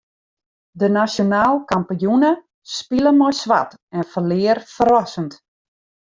De nasjonaal kampioene spile mei swart en ferlear ferrassend.